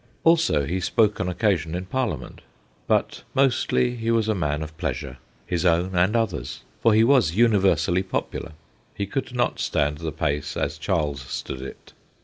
Also he spoke on occasion in Parliament. But mostly he was a man of pleasure his own and others', for he was universally popular. He could not stand the pace as Charles stood it.